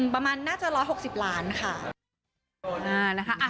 ประมาณน่าจะ๑๖๐ล้านค่ะ